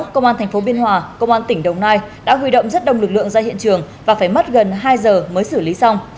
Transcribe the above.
công an thành phố biên hòa công an tỉnh đồng nai đã huy động rất đông lực lượng ra hiện trường và phải mất gần hai giờ mới xử lý xong